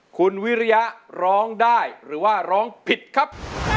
คุณวิริยะร้องได้หรือว่าร้องผิดครับ